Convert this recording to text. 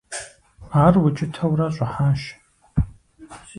Ар укӀытэурэ щӀыхьащ.